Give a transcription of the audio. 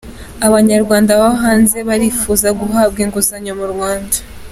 Abanyarwanda baba hanze barifuza guhabwa inguzanyo mu Rwanda.